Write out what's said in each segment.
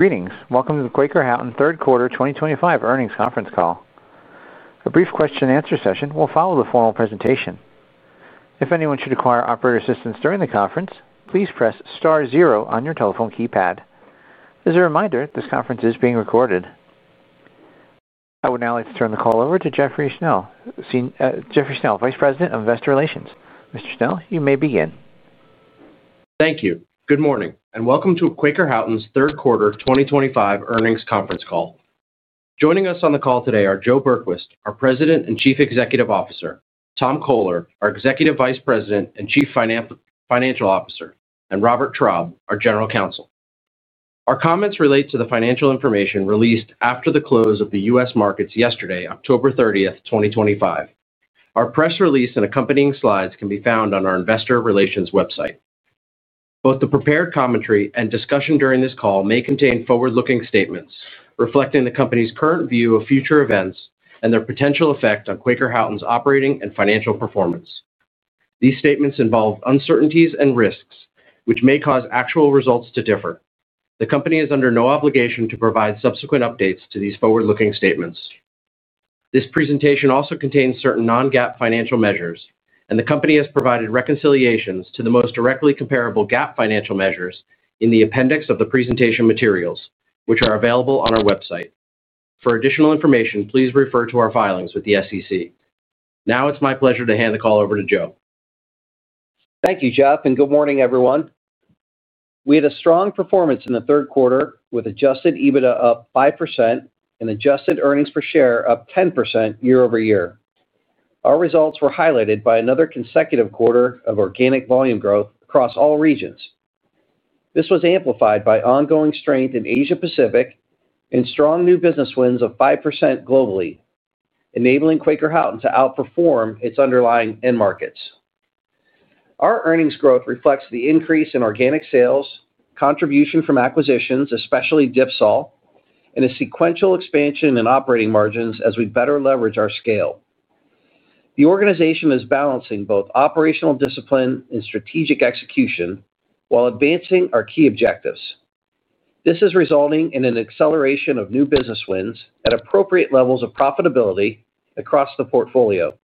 Greetings. Welcome to the Quaker Houghton third quarter 2025 earnings conference call. A brief question-and-answer session will follow the formal presentation. If anyone should require operator assistance during the conference, please press star zero on your telephone keypad. As a reminder, this conference is being recorded. I would now like to turn the call over to Jeffrey Schnell, Vice President of Investor Relations. Mr. Schnell, you may begin. Thank you. Good morning and welcome to Quaker Houghton’s third quarter 2025 earnings conference call. Joining us on the call today are Joe Berquist, our President and Chief Executive Officer, Tom Coler, our Executive Vice President and Chief Financial Officer, and Robert Traub, our General Counsel. Our comments relate to the financial information released after the close of the U.S. markets yesterday, October 30th, 2025. Our press release and accompanying slides can be found on our Investor Relations website. Both the prepared commentary and discussion during this call may contain forward-looking statements reflecting the company's current view of future events and their potential effect on Quaker Houghton’s operating and financial performance. These statements involve uncertainties and risks, which may cause actual results to differ. The company is under no obligation to provide subsequent updates to these forward-looking statements. This presentation also contains certain non-GAAP financial measures, and the company has provided reconciliations to the most directly comparable GAAP financial measures in the appendix of the presentation materials, which are available on our website. For additional information, please refer to our filings with the SEC. Now it's my pleasure to hand the call over to Joe. Thank you, Jeff, and good morning, everyone. We had a strong performance in the third quarter, with Adjusted EBITDA up 5% and adjusted earnings per share up 10% year-over-year. Our results were highlighted by another consecutive quarter of organic volume growth across all regions. This was amplified by ongoing strength in Asia-Pacific and strong new business wins of 5% globally, enabling Quaker Houghton to outperform its underlying end markets. Our earnings growth reflects the increase in organic sales, contribution from acquisitions, especially Dipsol, and a sequential expansion in operating margins as we better leverage our scale. The organization is balancing both operational discipline and strategic execution while advancing our key objectives. This is resulting in an acceleration of new business wins at appropriate levels of profitability across the portfolio.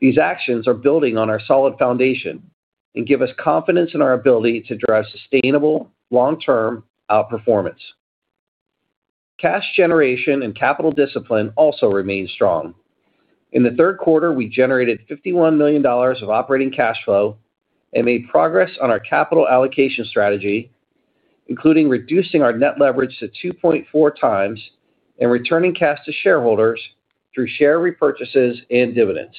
These actions are building on our solid foundation and give us confidence in our ability to drive sustainable, long-term outperformance. Cash generation and capital discipline also remain strong. In the third quarter, we generated $51 million of operating cash flow and made progress on our capital allocation strategy, including reducing our net leverage to 2.4x and returning cash to shareholders through share repurchases and dividends.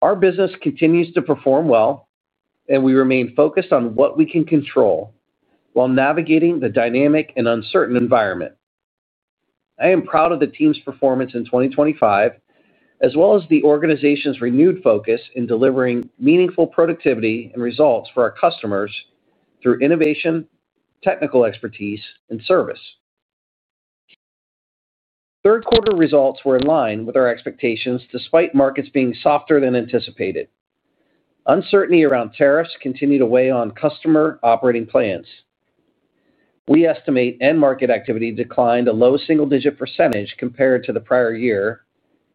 Our business continues to perform well, and we remain focused on what we can control while navigating the dynamic and uncertain environment. I am proud of the team's performance in 2024, as well as the organization's renewed focus in delivering meaningful productivity and results for our customers through innovation, technical expertise, and service. Third quarter results were in line with our expectations, despite markets being softer than anticipated. Uncertainty around tariffs continued to weigh on customer operating plans. We estimate end market activity declined a low single-digit percentage compared to the prior year,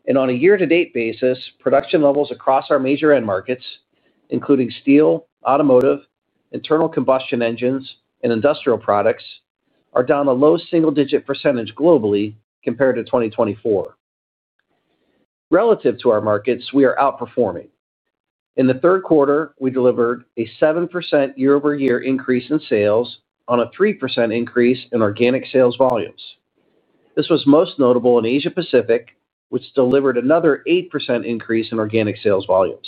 and on a year-to-date basis, production levels across our major end markets, including steel, automotive, internal combustion engines, and industrial products, are down a low single-digit percentage globally compared to 2023. Relative to our markets, we are outperforming. In the third quarter, we delivered a 7% year-over-year increase in sales on a 3% increase in organic sales volumes. This was most notable in Asia-Pacific, which delivered another 8% increase in organic sales volumes.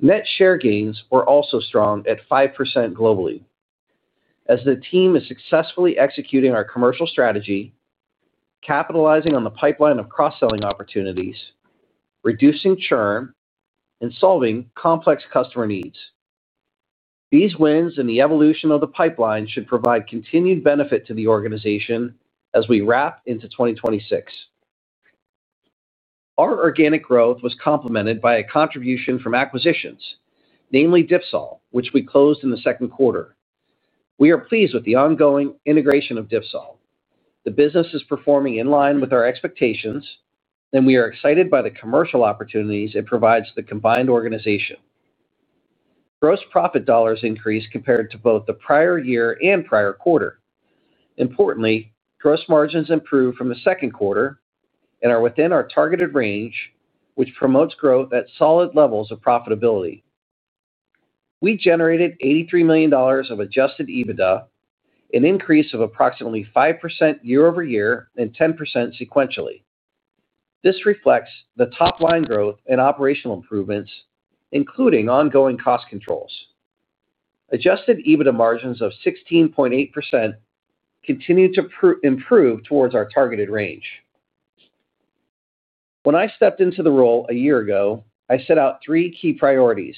Net share gains were also strong at 5% globally. As the team is successfully executing our commercial strategy, capitalizing on the pipeline of cross-selling opportunities, reducing churn, and solving complex customer needs, these wins and the evolution of the pipeline should provide continued benefit to the organization as we wrap into 2026. Our organic growth was complemented by a contribution from acquisitions, namely Dipsol, which we closed in the second quarter. We are pleased with the ongoing integration of Dipsol. The business is performing in line with our expectations, and we are excited by the commercial opportunities it provides the combined organization. Gross profit dollars increased compared to both the prior year and prior quarter. Importantly, gross margins improved from the second quarter and are within our targeted range, which promotes growth at solid levels of profitability. We generated $83 million of Adjusted EBITDA, an increase of approximately 5% year-over-year and 10% sequentially. This reflects the top-line growth and operational improvements, including ongoing cost controls. Adjusted EBITDA margins of 16.8% continue to improve towards our targeted range. When I stepped into the role a year ago, I set out three key priorities,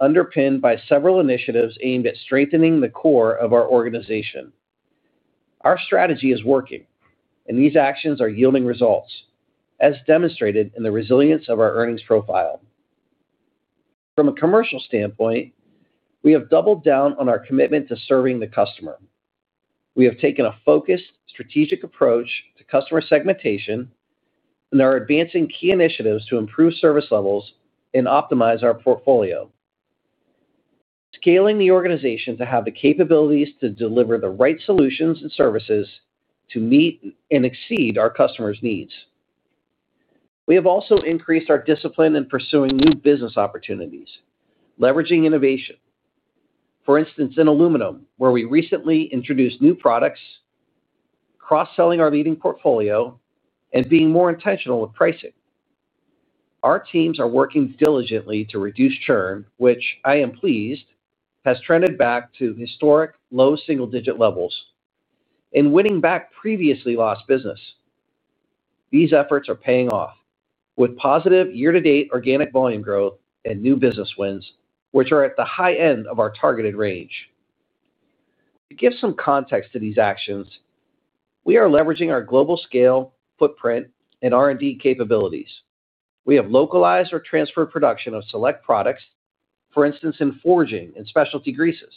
underpinned by several initiatives aimed at strengthening the core of our organization. Our strategy is working, and these actions are yielding results, as demonstrated in the resilience of our earnings profile. From a commercial standpoint, we have doubled down on our commitment to serving the customer. We have taken a focused, strategic approach to customer segmentation and are advancing key initiatives to improve service levels and optimize our portfolio, scaling the organization to have the capabilities to deliver the right solutions and services to meet and exceed our customers' needs. We have also increased our discipline in pursuing new business opportunities, leveraging innovation. For instance, in aluminum, where we recently introduced new products, cross-selling our leading portfolio, and being more intentional with pricing. Our teams are working diligently to reduce churn, which I am pleased has trended back to historic low single-digit levels, and winning back previously lost business. These efforts are paying off, with positive year-to-date organic volume growth and new business wins, which are at the high end of our targeted range. To give some context to these actions, we are leveraging our global scale, footprint, and R&D capabilities. We have localized or transferred production of select products, for instance, in forging and specialty greases.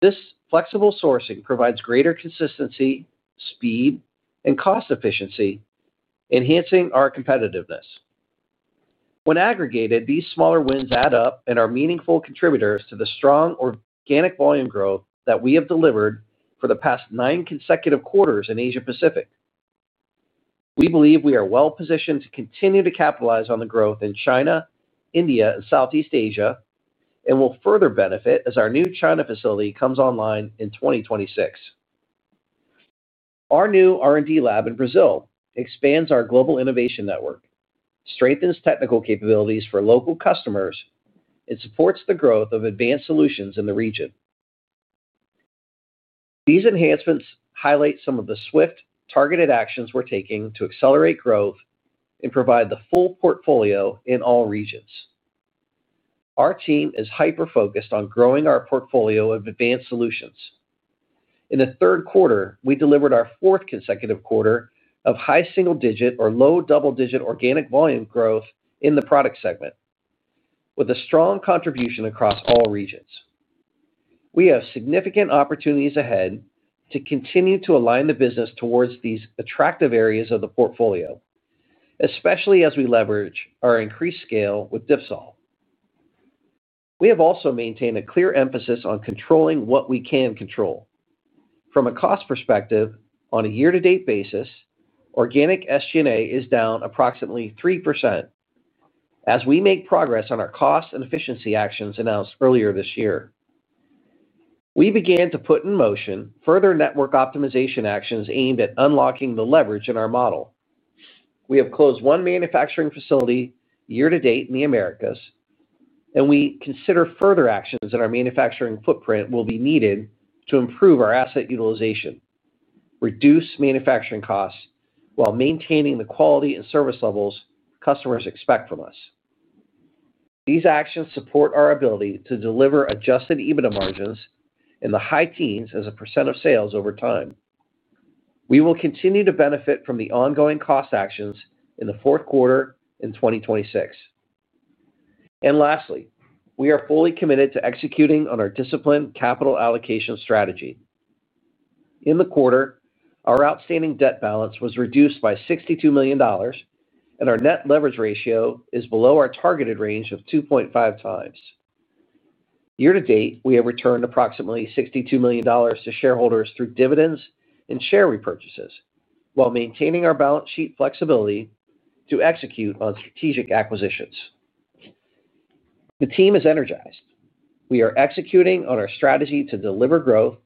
This flexible sourcing provides greater consistency, speed, and cost efficiency, enhancing our competitiveness. When aggregated, these smaller wins add up and are meaningful contributors to the strong organic volume growth that we have delivered for the past nine consecutive quarters in Asia-Pacific. We believe we are well-positioned to continue to capitalize on the growth in China, India, and Southeast Asia, and will further benefit as our new China facility comes online in 2026. Our new R&D lab in Brazil expands our global innovation network, strengthens technical capabilities for local customers, and supports the growth of advanced solutions in the region. These enhancements highlight some of the swift, targeted actions we're taking to accelerate growth and provide the full portfolio in all regions. Our team is hyper-focused on growing our portfolio of advanced solutions. In the third quarter, we delivered our fourth consecutive quarter of high single-digit or low double-digit organic volume growth in the product segment, with a strong contribution across all regions. We have significant opportunities ahead to continue to align the business towards these attractive areas of the portfolio, especially as we leverage our increased scale with Dipsol. We have also maintained a clear emphasis on controlling what we can control. From a cost perspective, on a year-to-date basis, organic SG&A is down approximately 3%. As we make progress on our cost and efficiency actions announced earlier this year, we began to put in motion further network optimization actions aimed at unlocking the leverage in our model. We have closed one manufacturing facility year-to-date in the Americas, and we consider further actions in our manufacturing footprint will be needed to improve our asset utilization and reduce manufacturing costs while maintaining the quality and service levels customers expect from us. These actions support our ability to deliver Adjusted EBITDA margins in the high teens as a percent of sales over time. We will continue to benefit from the ongoing cost actions in the fourth quarter in 2026. Lastly, we are fully committed to executing on our disciplined capital allocation strategy. In the quarter, our outstanding debt balance was reduced by $62 million, and our net leverage ratio is below our targeted range of 2.5x. Year-to-date, we have returned approximately $62 million to shareholders through dividends and share repurchases, while maintaining our balance sheet flexibility to execute on strategic acquisitions. The team is energized. We are executing on our strategy to deliver growth,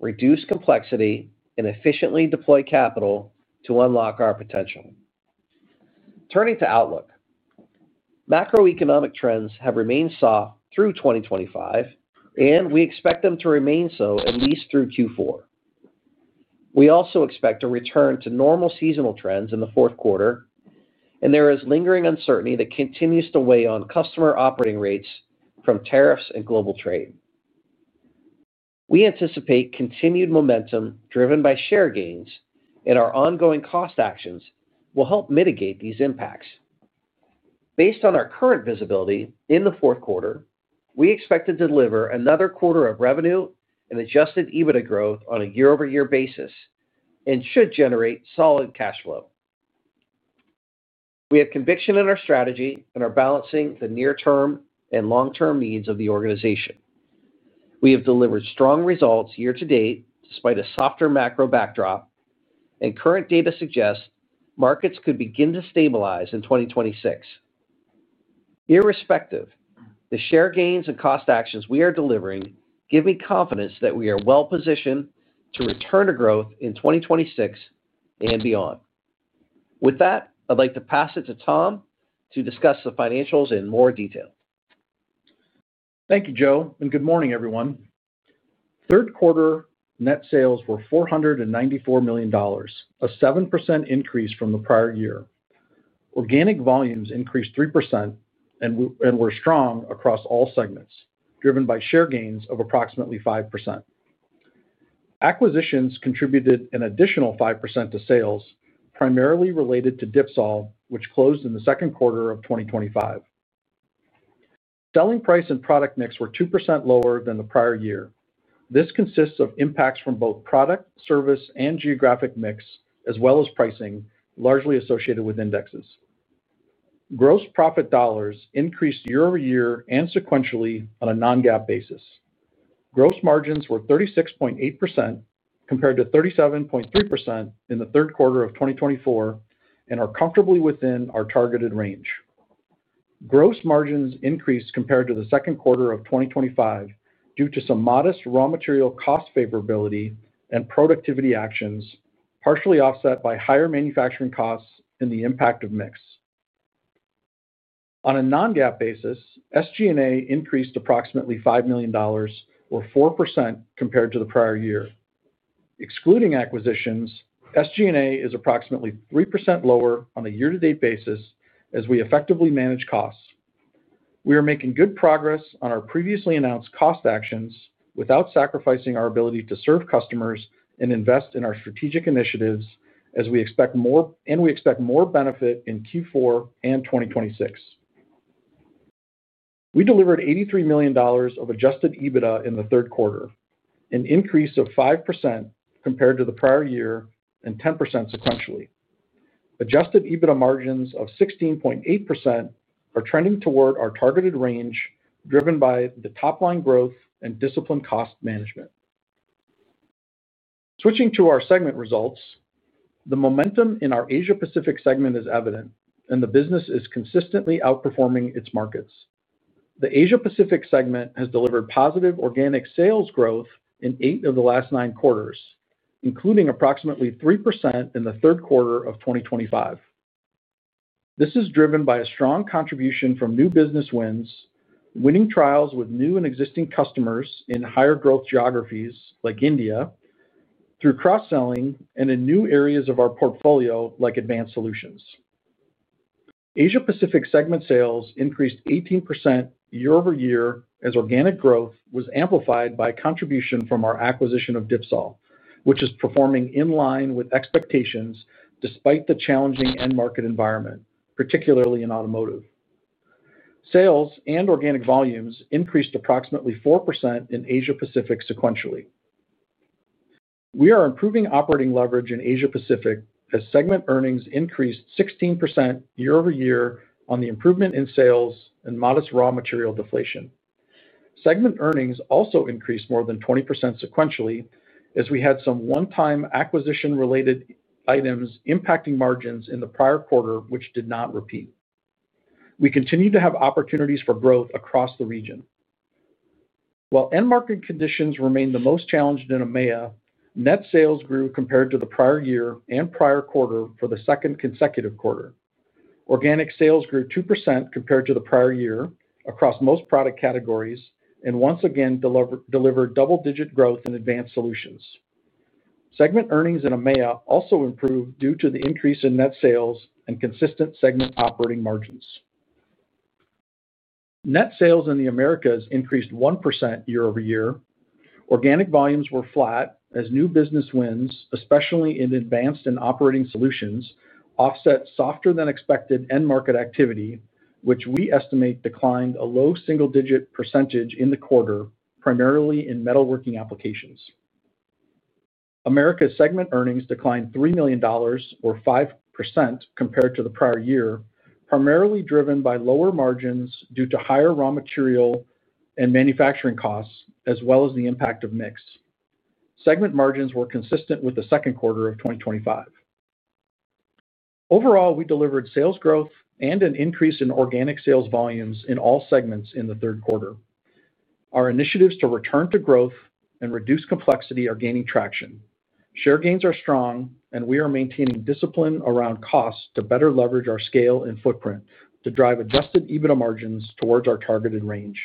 reduce complexity, and efficiently deploy capital to unlock our potential. Turning to outlook, macroeconomic trends have remained soft through 2025, and we expect them to remain so at least through Q4. We also expect a return to normal seasonal trends in the fourth quarter, and there is lingering uncertainty that continues to weigh on customer operating rates from tariffs and global trade. We anticipate continued momentum driven by share gains, and our ongoing cost actions will help mitigate these impacts. Based on our current visibility in the fourth quarter, we expect to deliver another quarter of revenue and Adjusted EBITDA growth on a year-over-year basis and should generate solid cash flow. We have conviction in our strategy and are balancing the near-term and long-term needs of the organization. We have delivered strong results year-to-date despite a softer macro backdrop, and current data suggest markets could begin to stabilize in 2026. Irrespective, the share gains and cost actions we are delivering give me confidence that we are well positioned to return to growth in 2026 and beyond. With that, I'd like to pass it to Tom to discuss the financials in more detail. Thank you, Joe, and good morning, everyone. Third quarter net sales were $494 million, a 7% increase from the prior year. Organic volumes increased 3% and were strong across all segments, driven by share gains of approximately 5%. Acquisitions contributed an additional 5% to sales, primarily related to Dipsol, which closed in the second quarter of 2025. Selling price and product mix were 2% lower than the prior year. This consists of impacts from both product, service, and geographic mix, as well as pricing, largely associated with indexes. Gross profit dollars increased year-over-year and sequentially on a non-GAAP basis. Gross margins were 36.8% compared to 37.3% in the third quarter of 2024 and are comfortably within our targeted range. Gross margins increased compared to the second quarter of 2025 due to some modest raw material cost favorability and productivity actions, partially offset by higher manufacturing costs and the impact of mix. On a non-GAAP basis, SG&A increased approximately $5 million, or 4% compared to the prior year. Excluding acquisitions, SG&A is approximately 3% lower on a year-to-date basis as we effectively manage costs. We are making good progress on our previously announced cost actions without sacrificing our ability to serve customers and invest in our strategic initiatives, and we expect more benefit in Q4 and 2026. We delivered $83 million of Adjusted EBITDA in the third quarter, an increase of 5% compared to the prior year and 10% sequentially. Adjusted EBITDA margins of 16.8% are trending toward our targeted range, driven by the top-line growth and disciplined cost management. Switching to our segment results, the momentum in our Asia-Pacific segment is evident, and the business is consistently outperforming its markets. The Asia-Pacific segment has delivered positive organic sales growth in eight of the last nine quarters, including approximately 3% in the third quarter of 2025. This is driven by a strong contribution from new business wins, winning trials with new and existing customers in higher growth geographies like India, through cross-selling, and in new areas of our portfolio like advanced solutions. Asia-Pacific segment sales increased 18% year-over-year as organic growth was amplified by contribution from our acquisition of Dipsol, which is performing in line with expectations despite the challenging end market environment, particularly in automotive. Sales and organic volumes increased approximately 4% in Asia-Pacific sequentially. We are improving operating leverage in Asia-Pacific as segment earnings increased 16% year-over-year on the improvement in sales and modest raw material deflation. Segment earnings also increased more than 20% sequentially as we had some one-time acquisition-related items impacting margins in the prior quarter, which did not repeat. We continue to have opportunities for growth across the region. While end market conditions remain the most challenged in AMEA, net sales grew compared to the prior year and prior quarter for the second consecutive quarter. Organic sales grew 2% compared to the prior year across most product categories and once again delivered double-digit growth in advanced solutions. Segment earnings in AMEA also improved due to the increase in net sales and consistent segment operating margins. Net sales in the Americas increased 1% year-over-year. Organic volumes were flat as new business wins, especially in advanced and operating solutions, offset softer-than-expected end market activity, which we estimate declined a low single-digit percentage in the quarter, primarily in metalworking applications. Americas segment earnings declined $3 million, or 5%, compared to the prior year, primarily driven by lower margins due to higher raw material and manufacturing costs, as well as the impact of mix. Segment margins were consistent with the second quarter of 2025. Overall, we delivered sales growth and an increase in organic sales volumes in all segments in the third quarter. Our initiatives to return to growth and reduce complexity are gaining traction. Share gains are strong, and we are maintaining discipline around costs to better leverage our scale and footprint to drive Adjusted EBITDA margins towards our targeted range.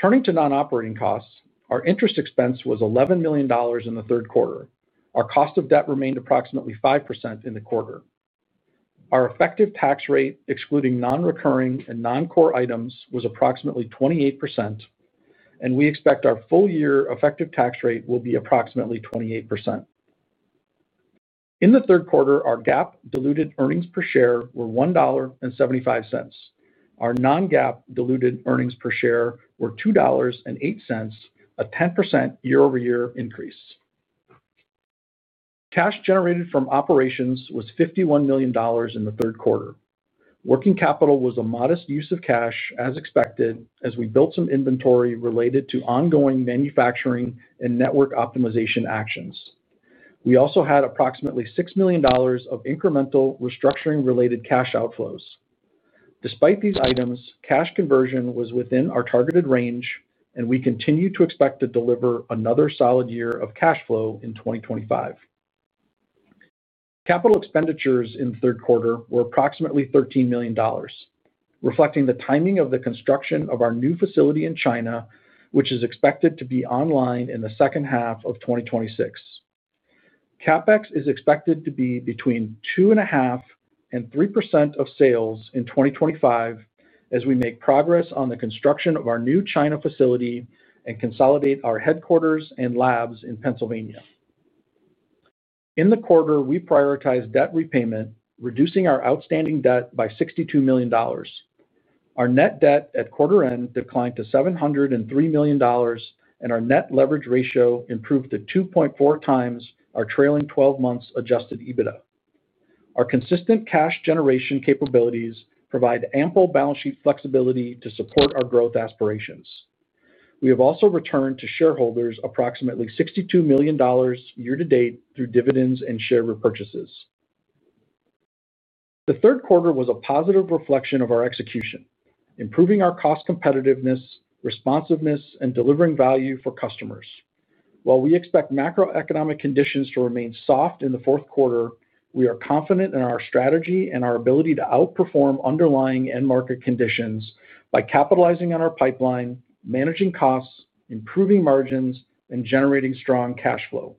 Turning to non-operating costs, our interest expense was $11 million in the third quarter. Our cost of debt remained approximately 5% in the quarter. Our effective tax rate, excluding non-recurring and non-core items, was approximately 28%. We expect our full-year effective tax rate will be approximately 28%. In the third quarter, our GAAP-diluted earnings per share were $1.75. Our non-GAAP-diluted earnings per share were $2.08, a 10% year-over-year increase. Cash generated from operations was $51 million in the third quarter. Working capital was a modest use of cash, as expected, as we built some inventory related to ongoing manufacturing and network optimization actions. We also had approximately $6 million of incremental restructuring-related cash outflows. Despite these items, cash conversion was within our targeted range, and we continue to expect to deliver another solid year of cash flow in 2025. Capital expenditures in the third quarter were approximately $13 million, reflecting the timing of the construction of our new facility in China, which is expected to be online in the second half of 2026. CapEx is expected to be between 2.5% and 3% of sales in 2025 as we make progress on the construction of our new China facility and consolidate our headquarters and labs in Pennsylvania. In the quarter, we prioritized debt repayment, reducing our outstanding debt by $62 million. Our net debt at quarter-end declined to $703 million, and our net leverage ratio improved to 2.4x our trailing 12 months' Adjusted EBITDA. Our consistent cash generation capabilities provide ample balance sheet flexibility to support our growth aspirations. We have also returned to shareholders approximately $62 million year-to-date through dividends and share repurchases. The third quarter was a positive reflection of our execution, improving our cost competitiveness, responsiveness, and delivering value for customers. While we expect macroeconomic conditions to remain soft in the fourth quarter, we are confident in our strategy and our ability to outperform underlying end market conditions by capitalizing on our pipeline, managing costs, improving margins, and generating strong cash flow.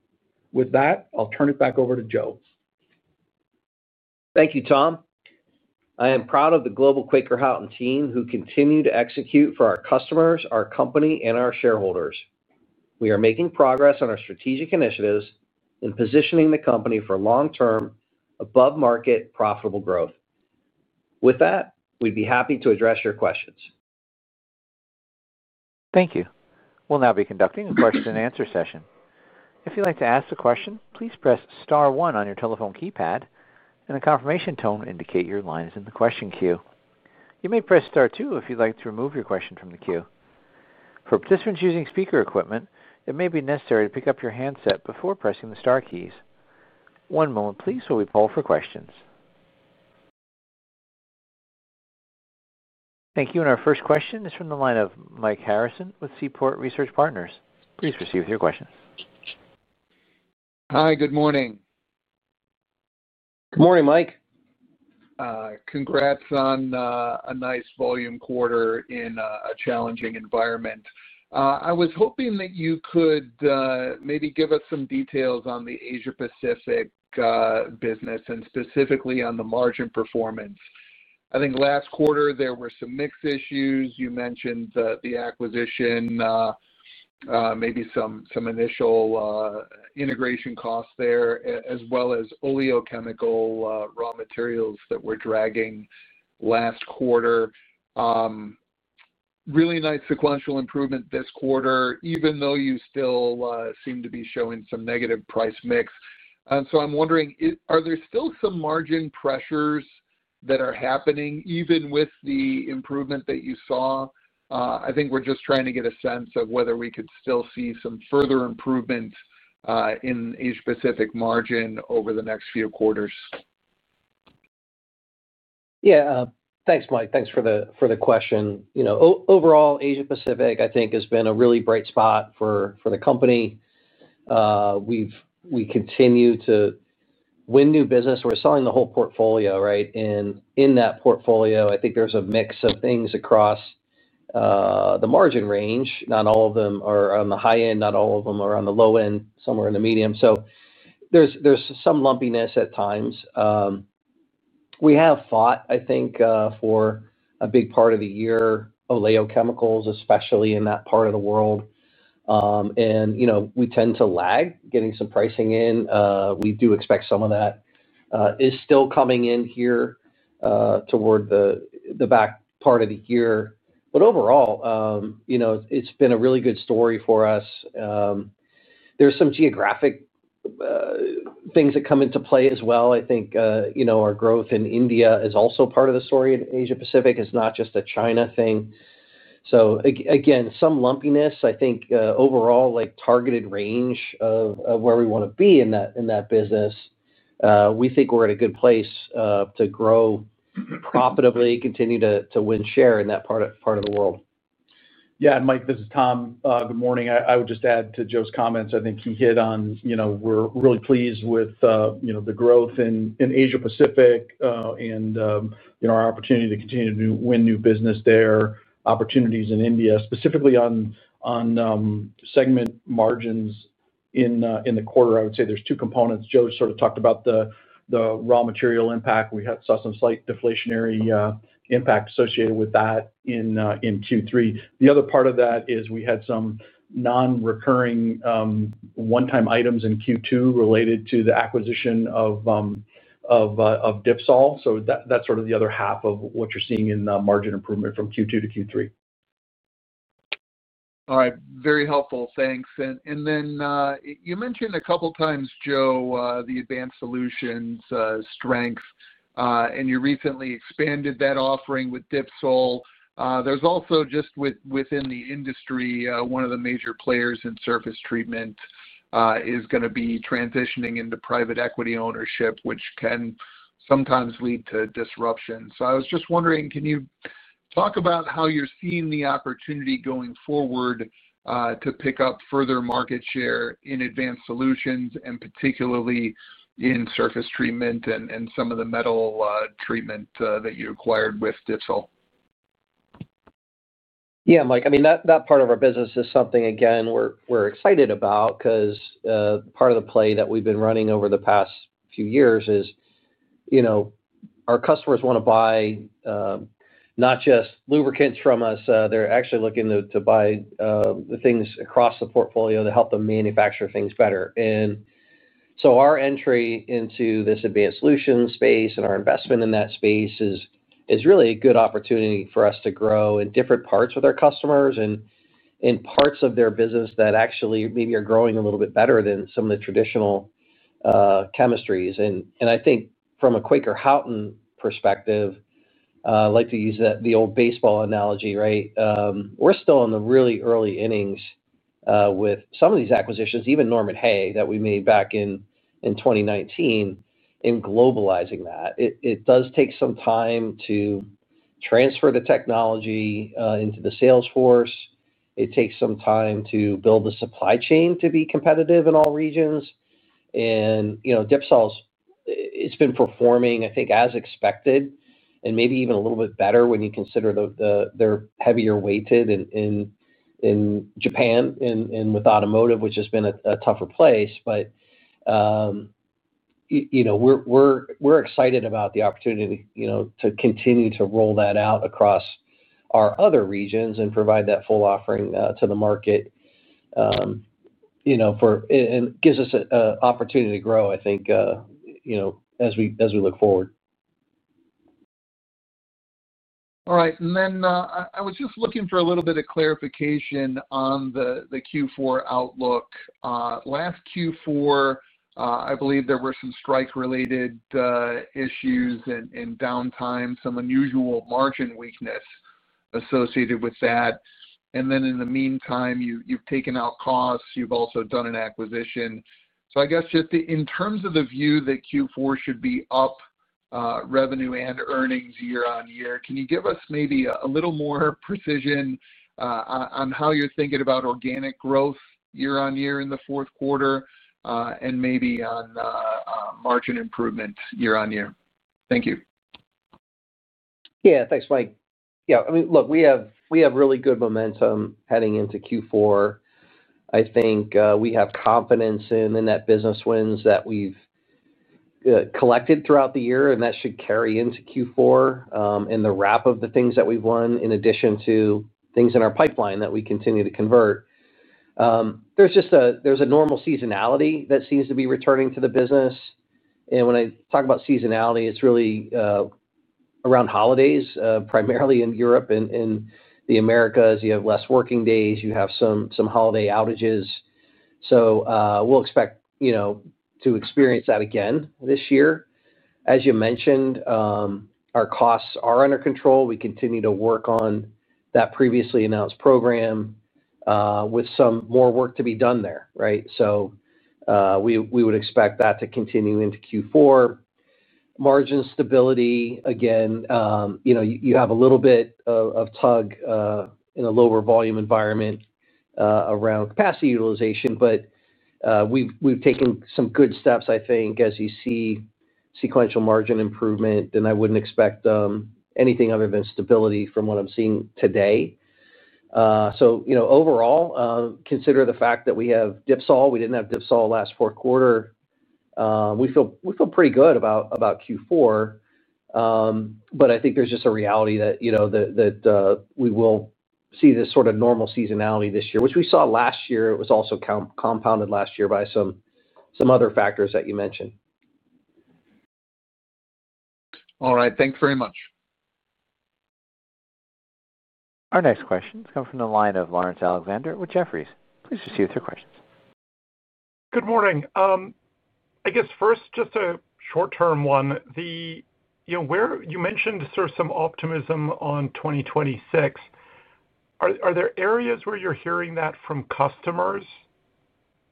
With that, I'll turn it back over to Joe. Thank you, Tom. I am proud of the global Quaker Houghton team who continue to execute for our customers, our company, and our shareholders. We are making progress on our strategic initiatives and positioning the company for long-term, above-market, profitable growth. With that, we'd be happy to address your questions. Thank you. We'll now be conducting a question-and-answer session. If you'd like to ask a question, please press star one on your telephone keypad, and a confirmation tone will indicate your line is in the question queue. You may press star two if you'd like to remove your question from the queue. For participants using speaker equipment, it may be necessary to pick up your handset before pressing the star keys. One moment, please, while we poll for questions. Thank you. Our first question is from the line of Mike Harrison with Seaport Research Partners. Please proceed with your questions. Hi, good morning. Good morning, Mike. Congrats on a nice volume quarter in a challenging environment. I was hoping that you could maybe give us some details on the Asia-Pacific business and specifically on the margin performance. I think last quarter there were some mixed issues. You mentioned the acquisition, maybe some initial integration costs there, as well as oleochemical raw materials that were dragging last quarter. Really nice sequential improvement this quarter, even though you still seem to be showing some negative price mix. I'm wondering, are there still some margin pressures that are happening, even with the improvement that you saw? I think we're just trying to get a sense of whether we could still see some further improvement in Asia-Pacific margin over the next few quarters. Yeah. Thanks, Mike. Thanks for the question. Overall, Asia-Pacific, I think, has been a really bright spot for the company. We continue to win new business. We're selling the whole portfolio, right? In that portfolio, I think there's a mix of things across the margin range. Not all of them are on the high end. Not all of them are on the low end. Somewhere in the medium. There's some lumpiness at times. We have fought, I think, for a big part of the year, oleochemicals, especially in that part of the world. We tend to lag, getting some pricing in. We do expect some of that is still coming in here toward the back part of the year. Overall, it's been a really good story for us. There's some geographic things that come into play as well. I think our growth in India is also part of the story in Asia-Pacific. It's not just a China thing. Again, some lumpiness. I think overall, targeted range of where we want to be in that business. We think we're at a good place to grow profitably, continue to win share in that part of the world. Yeah. Mike, this is Tom. Good morning. I would just add to Joe's comments. I think he hit on. We're really pleased with the growth in Asia-Pacific and our opportunity to continue to win new business there, opportunities in India, specifically on segment margins in the quarter. I would say there's two components. Joe sort of talked about the raw material impact. We saw some slight deflationary impact associated with that in Q3. The other part of that is we had some non-recurring, one-time items in Q2 related to the acquisition of Dipsol. That's sort of the other half of what you're seeing in the margin improvement from Q2 to Q3. All right. Very helpful. Thanks. You mentioned a couple of times, Joe, the advanced solutions strength, and you recently expanded that offering with Dipsol. There's also, just within the industry, one of the major players in surface treatment is going to be transitioning into private equity ownership, which can sometimes lead to disruption. I was just wondering, can you talk about how you're seeing the opportunity going forward to pick up further market share in advanced solutions, and particularly in surface treatment and some of the metal treatment that you acquired with Dipsol? Yeah, Mike. I mean, that part of our business is something we're excited about because part of the play that we've been running over the past few years is our customers want to buy not just lubricants from us. They're actually looking to buy the things across the portfolio to help them manufacture things better. Our entry into this advanced solution space and our investment in that space is really a good opportunity for us to grow in different parts with our customers and in parts of their business that actually maybe are growing a little bit better than some of the traditional chemistries. I think from a Quaker Houghton perspective, I like to use the old baseball analogy, right? We're still in the really early innings with some of these acquisitions, even Norman Hay, that we made back in 2019. In globalizing that, it does take some time to transfer the technology into the sales force. It takes some time to build the supply chain to be competitive in all regions. Dipsol has been performing, I think, as expected, and maybe even a little bit better when you consider they're heavier weighted in Japan and with automotive, which has been a tougher place. We're excited about the opportunity to continue to roll that out across our other regions and provide that full offering to the market. It gives us an opportunity to grow, I think, as we look forward. All right. I was just looking for a little bit of clarification on the Q4 outlook. Last Q4, I believe there were some strike-related issues and downtime, some unusual margin weakness associated with that. In the meantime, you've taken out costs. You've also done an acquisition. I guess just in terms of the view that Q4 should be up, revenue and earnings year-on-year, can you give us maybe a little more precision on how you're thinking about organic growth year-on-year in the fourth quarter and maybe on margin improvement year-on-year? Thank you. Yeah. Thanks, Mike. I mean, look, we have really good momentum heading into Q4. I think we have confidence in the net business wins that we've collected throughout the year, and that should carry into Q4 and the wrap of the things that we've won in addition to things in our pipeline that we continue to convert. There's a normal seasonality that seems to be returning to the business. When I talk about seasonality, it's really around holidays, primarily in Europe and the Americas. You have less working days. You have some holiday outages. We expect to experience that again this year. As you mentioned, our costs are under control. We continue to work on that previously announced program, with some more work to be done there, right? We would expect that to continue into Q4. Margin stability, again, you have a little bit of tug in a lower volume environment around capacity utilization, but we've taken some good steps, I think, as you see sequential margin improvement. I wouldn't expect anything other than stability from what I'm seeing today. Overall, consider the fact that we have Dipsol. We didn't have Dipsol last fourth quarter. We feel pretty good about Q4. I think there's just a reality that we will see this sort of normal seasonality this year, which we saw last year. It was also compounded last year by some other factors that you mentioned. All right, thanks very much. Our next question has come from the line of Lawrence Alexander with Jefferies. Please proceed with your questions. Good morning. I guess first, just a short-term one. You mentioned sort of some optimism on 2026. Are there areas where you're hearing that from customers,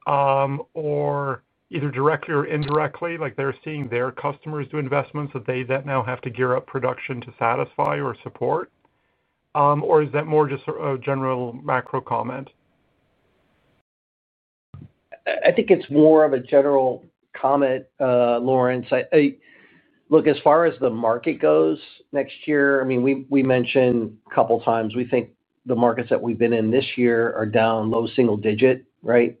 either directly or indirectly, like they're seeing their customers do investments that they now have to gear up production to satisfy or support? Is that more just a general macro comment? I think it's more of a general comment, Lawrence. Look, as far as the market goes next year, I mean, we mentioned a couple ofx we think the markets that we've been in this year are down low single digit, right?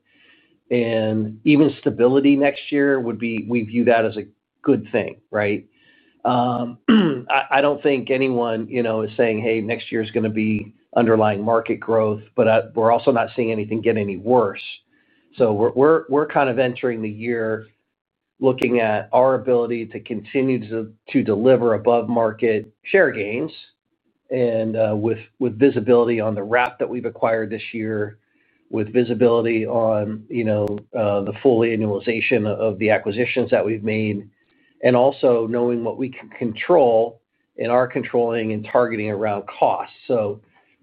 Even stability next year would be, we view that as a good thing, right? I don't think anyone is saying, "Hey, next year is going to be underlying market growth," but we're also not seeing anything get any worse. We're kind of entering the year looking at our ability to continue to deliver above-market share gains, and with visibility on the wrap that we've acquired this year, with visibility on the full annualization of the acquisitions that we've made, and also knowing what we can control and are controlling and targeting around costs.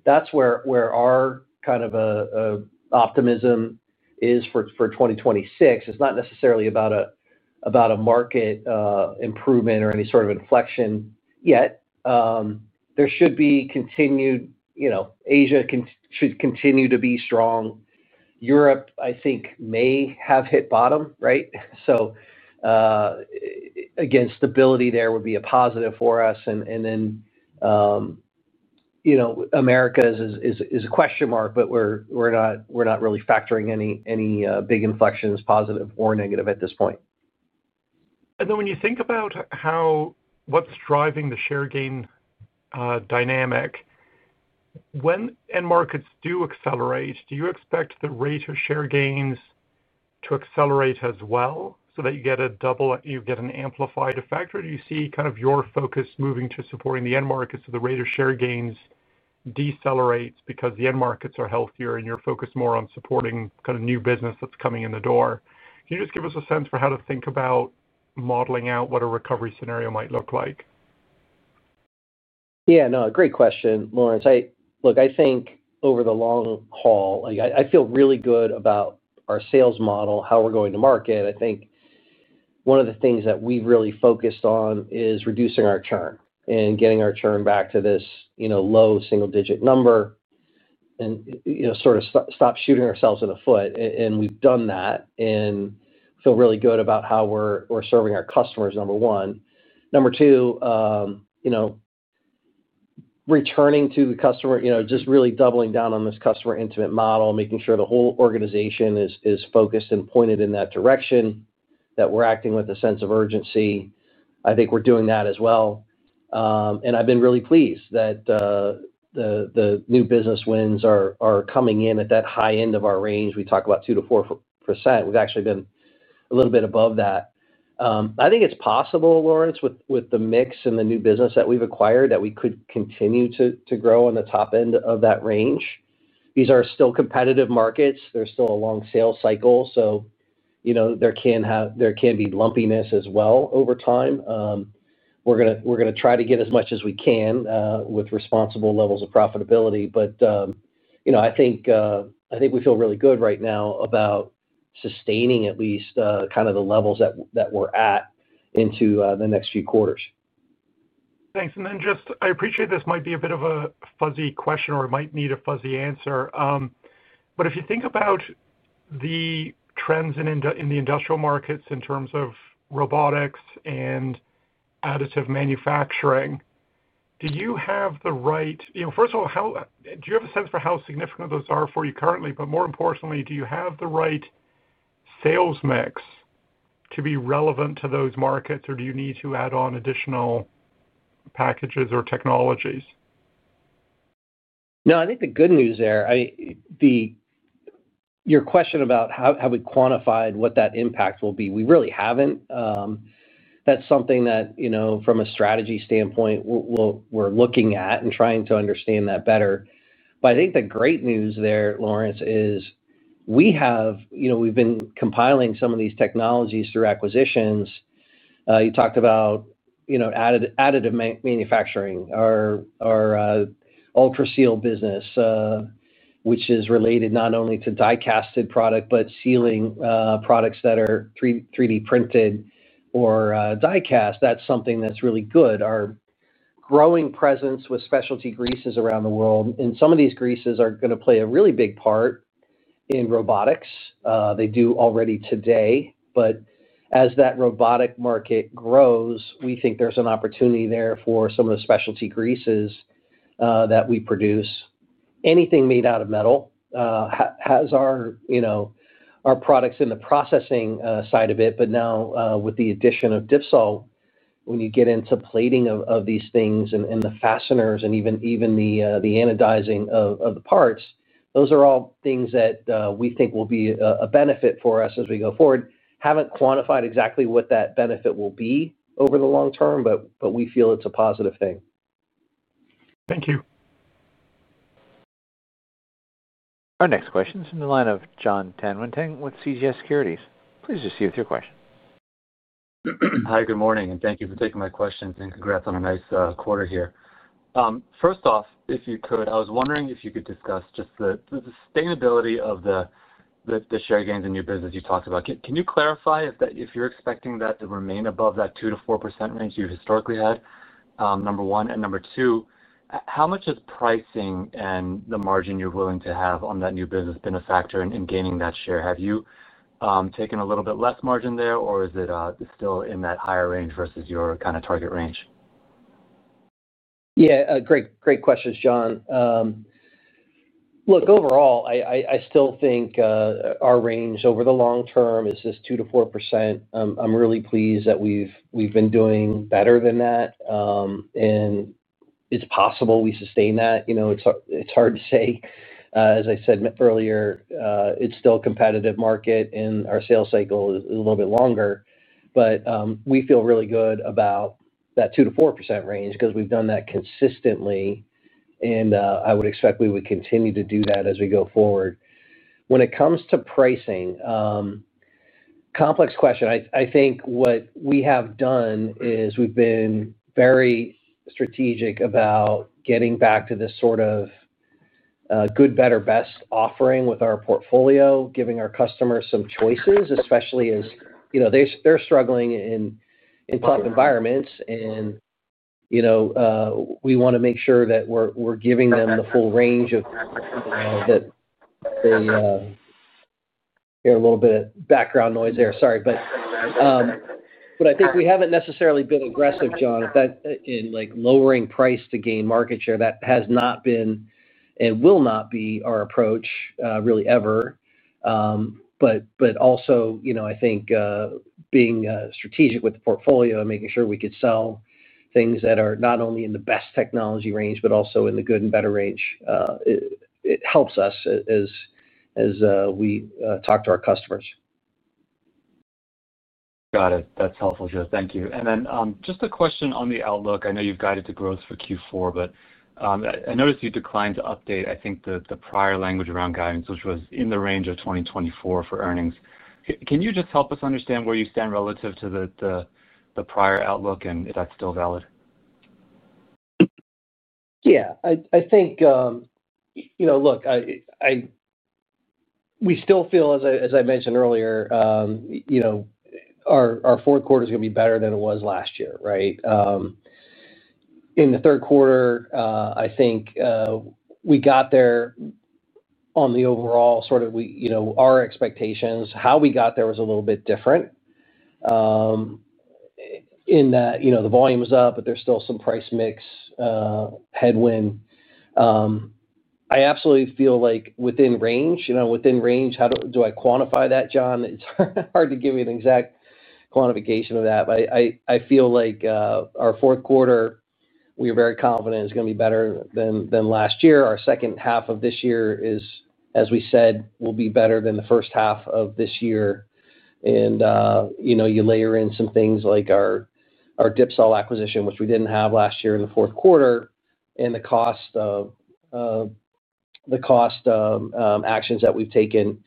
That's where our kind of optimism is for 2026. It's not necessarily about a market improvement or any sort of inflection yet. There should be continued. Asia should continue to be strong. Europe, I think, may have hit bottom, right? Stability there would be a positive for us. America is a question mark, but we're not really factoring any big inflections, positive or negative, at this point. When you think about what's driving the share gain dynamic, when end markets do accelerate, do you expect the rate of share gains to accelerate as well so that you get an amplified effect, or do you see your focus moving to supporting the end markets so the rate of share gains decelerates because the end markets are healthier and you're focused more on supporting new business that's coming in the door? Can you just give us a sense for how to think about modeling out what a recovery scenario might look like? Yeah. No, great question, Lawrence. Look, I think over the long haul, I feel really good about our sales model, how we're going to market. One of the things that we've really focused on is reducing our churn and getting our churn back to this low single-digit number, and sort of stop shooting ourselves in the foot. We've done that and feel really good about how we're serving our customers, number one. Number two, returning to the customer, just really doubling down on this customer intimate model, making sure the whole organization is focused and pointed in that direction, that we're acting with a sense of urgency. I think we're doing that as well. I've been really pleased that the new business wins are coming in at that high end of our range. We talk about 2%-4%. We've actually been a little bit above that. I think it's possible, Lawrence, with the mix and the new business that we've acquired, that we could continue to grow on the top end of that range. These are still competitive markets. There's still a long sales cycle. There can be lumpiness as well over time. We're going to try to get as much as we can with responsible levels of profitability. I think we feel really good right now about sustaining, at least, kind of the levels that we're at into the next few quarters. Thanks. I appreciate this might be a bit of a fuzzy question or it might need a fuzzy answer. If you think about the trends in the industrial markets in terms of robotics and additive manufacturing, do you have the right, first of all, do you have a sense for how significant those are for you currently? More importantly, do you have the right sales mix to be relevant to those markets, or do you need to add on additional packages or technologies? No, I think the good news there. Your question about how we quantified what that impact will be, we really haven't. That's something that, from a strategy standpoint, we're looking at and trying to understand that better. I think the great news there, Lawrence, is we've been compiling some of these technologies through acquisitions. You talked about additive manufacturing, our Ultraseal business, which is related not only to die-casted product but sealing products that are 3D printed or die-cast. That's something that's really good. Our growing presence with specialty greases around the world, and some of these greases are going to play a really big part in robotics. They do already today. As that robotic market grows, we think there's an opportunity there for some of the specialty greases that we produce. Anything made out of metal has our products in the processing side of it. Now, with the addition of Dipsol, when you get into plating of these things and the fasteners and even the anodizing of the parts, those are all things that we think will be a benefit for us as we go forward. Haven't quantified exactly what that benefit will be over the long term, but we feel it's a positive thing. Thank you. Our next question is on the line of Jon Tanwanteng with CJS Securities. Please proceed with your question. Hi, good morning. Thank you for taking my questions and congrats on a nice quarter here. First off, I was wondering if you could discuss just the sustainability of the share gains and new business you talked about. Can you clarify if you're expecting that to remain above that 2%-4% range you've historically had? Number one. Number two, how much has pricing and the margin you're willing to have on that new business been a factor in gaining that share? Have you taken a little bit less margin there, or is it still in that higher range versus your kind of target range? Yeah. Great questions, Jon. Look, overall, I still think our range over the long term is this 2%-4%. I'm really pleased that we've been doing better than that, and it's possible we sustain that. It's hard to say. As I said earlier, it's still a competitive market, and our sales cycle is a little bit longer. We feel really good about that 2%-4% range because we've done that consistently, and I would expect we would continue to do that as we go forward. When it comes to pricing, complex question. I think what we have done is we've been very strategic about getting back to this sort of good, better, best offering with our portfolio, giving our customers some choices, especially as they're struggling in tough environments. We want to make sure that we're giving them the full range of the—there's a little bit of background noise there, sorry. I think we haven't necessarily been aggressive, Jon, in lowering price to gain market share. That has not been, and will not be, our approach really ever. I think being strategic with the portfolio and making sure we could sell things that are not only in the best technology range but also in the good and better range helps us as we talk to our customers. Got it. That's helpful, Joe. Thank you. Just a question on the outlook. I know you've guided to growth for Q4, but I noticed you declined to update, I think, the prior language around guidance, which was in the range of 2024 for earnings. Can you just help us understand where you stand relative to the prior outlook and if that's still valid? Yeah. I think, look, we still feel, as I mentioned earlier, our fourth quarter is going to be better than it was last year, right? In the third quarter, I think we got there on the overall sort of our expectations. How we got there was a little bit different in that the volume was up, but there's still some price mix headwind. I absolutely feel like within range. Within range, how do I quantify that, Jon? It's hard to give me an exact quantification of that, but I feel like our fourth quarter, we are very confident it's going to be better than last year. Our second half of this year is, as we said, will be better than the first half of this year. You layer in some things like our Dipsol acquisition, which we didn't have last year in the fourth quarter, and the cost of actions that we've taken.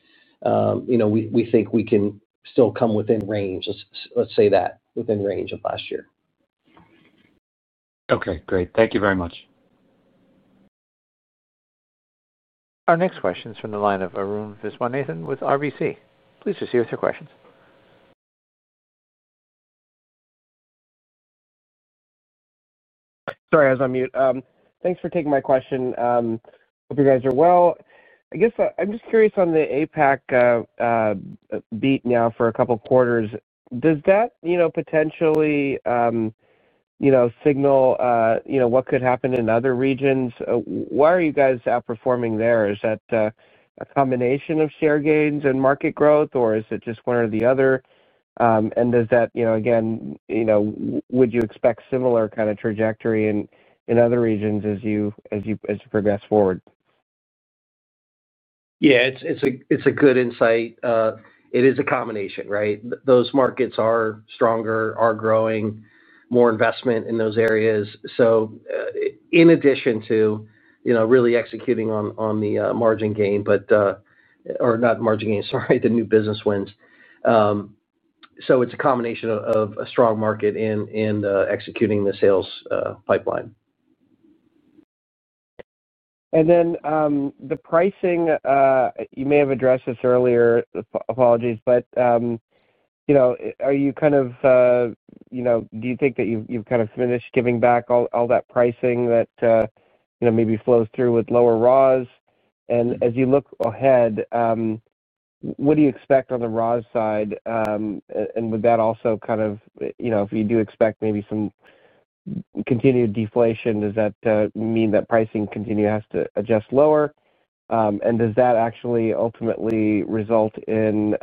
We think we can still come within range. Let's say that within range of last year. Okay. Great. Thank you very much. Our next question is from the line of Arun Viswanathan with RBC. Please proceed with your questions. Sorry, I was on mute. Thanks for taking my question. Hope you guys are well. I guess I'm just curious on the APAC. Beat now for a couple of quarters. Does that potentially signal what could happen in other regions? Why are you guys outperforming there? Is that a combination of share gains and market growth, or is it just one or the other? Would you expect similar kind of trajectory in other regions as you progress forward? Yeah. It's a good insight. It is a combination, right? Those markets are stronger, are growing, more investment in those areas. In addition to really executing on the margin gain, or not margin gain, sorry, the new business wins. It's a combination of a strong market and executing the sales pipeline. You may have addressed this earlier, apologies. Do you think that you've finished giving back all that pricing that maybe flows through with lower ROS? As you look ahead, what do you expect on the ROS side? Would that also, if you do expect maybe some continued deflation, mean that pricing continues to adjust lower? Does that actually ultimately result in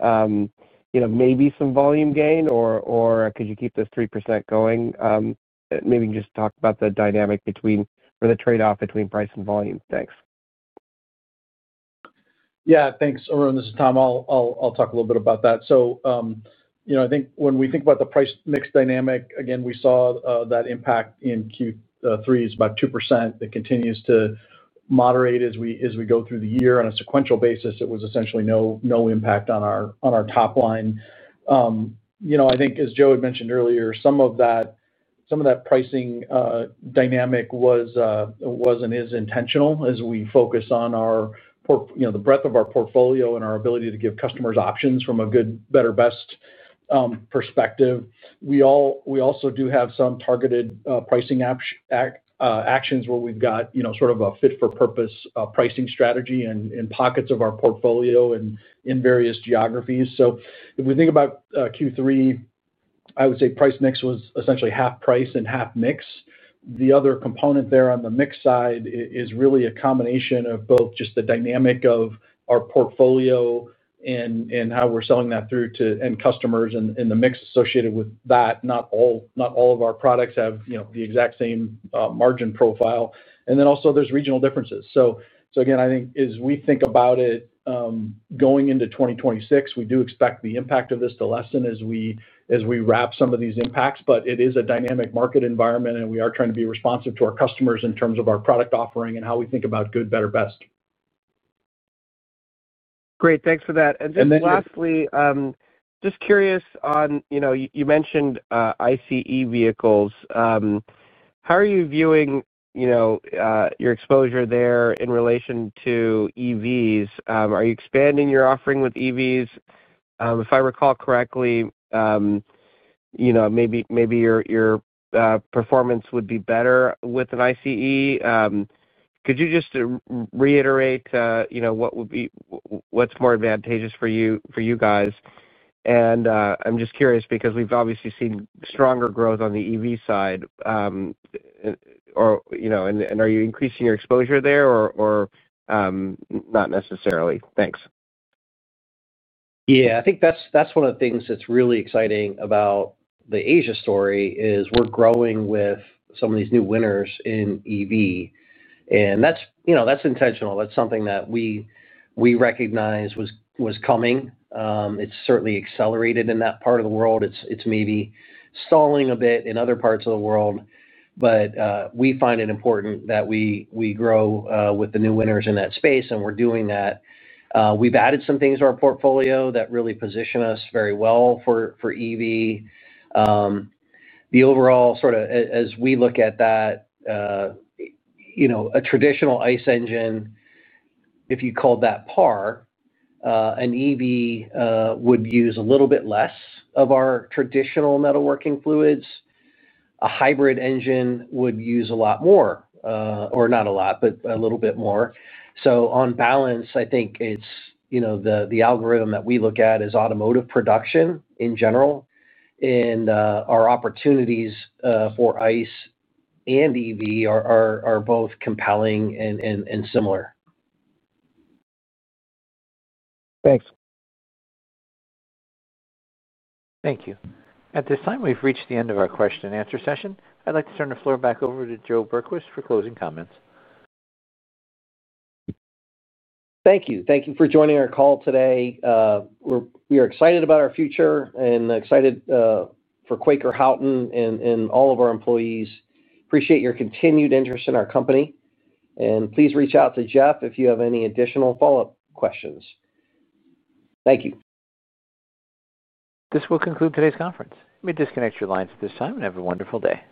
maybe some volume gain, or could you keep this 3% going? Maybe just talk about the dynamic or the trade-off between price and volume. Thanks. Yeah. Thanks, Arun. This is Tom. I'll talk a little bit about that. I think when we think about the price mix dynamic, again, we saw that impact in Q3 is about 2%. It continues to moderate as we go through the year. On a sequential basis, it was essentially no impact on our top line. I think, as Joe had mentioned earlier, some of that pricing dynamic was and is intentional as we focus on the breadth of our portfolio and our ability to give customers options from a good, better, best perspective. We also do have some targeted pricing actions where we've got sort of a fit-for-purpose pricing strategy in pockets of our portfolio and in various geographies. If we think about Q3, I would say price mix was essentially half price and half mix. The other component there on the mix side is really a combination of both just the dynamic of our portfolio and how we're selling that through to end customers and the mix associated with that. Not all of our products have the exact same margin profile. There are also regional differences. I think as we think about it going into 2026, we do expect the impact of this to lessen as we wrap some of these impacts. It is a dynamic market environment, and we are trying to be responsive to our customers in terms of our product offering and how we think about good, better, best. Great, thanks for that. Lastly, just curious, you mentioned ICE vehicles. How are you viewing your exposure there in relation to EVs? Are you expanding your offering with EVs? If I recall correctly, maybe your performance would be better with an ICE. Could you just reiterate what's more advantageous for you guys? I'm just curious because we've obviously seen stronger growth on the EV side. Are you increasing your exposure there or not necessarily? Thanks. Yeah. I think that's one of the things that's really exciting about the Asia story. We're growing with some of these new winners in EV, and that's intentional. That's something that we recognize was coming. It's certainly accelerated in that part of the world. It's maybe stalling a bit in other parts of the world. We find it important that we grow with the new winners in that space, and we're doing that. We've added some things to our portfolio that really position us very well for EV. The overall sort of, as we look at that, a traditional ICE engine, if you called that par, an EV would use a little bit less of our traditional metalworking fluids. A hybrid engine would use a little bit more. On balance, I think it's the algorithm that we look at is automotive production in general, and our opportunities for ICE and EV are both compelling and similar. Thanks. Thank you. At this time, we've reached the end of our question-and-answer session. I'd like to turn the floor back over to Joe Berquist for closing comments. Thank you. Thank you for joining our call today. We are excited about our future and excited for Quaker Houghton and all of our employees. We appreciate your continued interest in our company. Please reach out to Jeff if you have any additional follow-up questions. Thank you. This will conclude today's conference. Let me disconnect your lines at this time, and have a wonderful day.